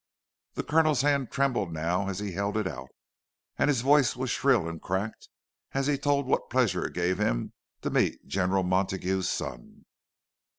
—The Colonel's hand trembled now as he held it out, and his voice was shrill and cracked as he told what pleasure it gave him to meet General Montague's son.